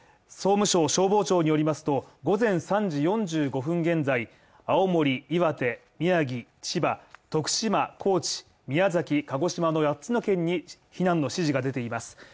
総務省、消防庁によりますと、午前３時４５分現在、青森岩手、宮城、千葉、徳島、高知、宮崎、鹿児島の八つの県に避難の指示が出ています。